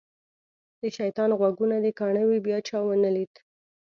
د شیطان غوږونه دې کاڼه وي بیا چا ونه لید.